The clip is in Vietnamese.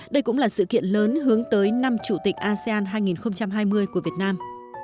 đây cũng là sự kiện lớn hướng tới năm chủ tịch asean hai nghìn hai mươi của việt nam